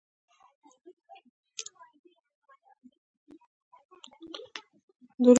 د روح تصفیه کول اصلي موخه ده.